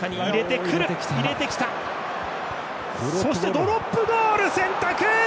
ドロップゴール選択！